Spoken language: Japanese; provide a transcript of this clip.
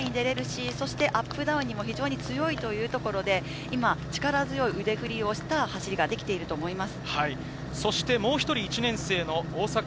苦しい所でも前に出られるしアップダウンにも非常に強いというところで、力強い腕振りをした走りができていると思います。